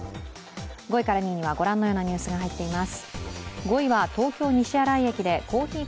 ５位から２位にはご覧のようなニュースが入って射ます。